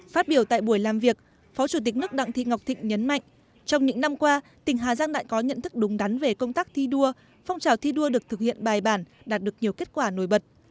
phát biểu tại buổi làm việc phó chủ tịch nước đặng thị ngọc thịnh nhấn mạnh trong những năm qua tỉnh hà giang đã có nhận thức đúng đắn về công tác thi đua phong trào thi đua được thực hiện bài bản đạt được nhiều kết quả nổi bật